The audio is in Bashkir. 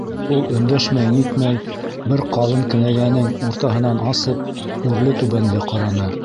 Ул өндәшмәй-нитмәй бер ҡалын кенәгәнең уртаһынан асып, үрле-түбәнле ҡараны.